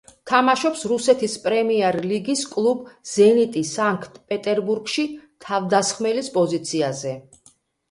თამაშობს რუსეთის პრემიერლიგის კლუბ „ზენიტი სანქტ-პეტერბურგში“ თავდამსხმელის პოზიციაზე.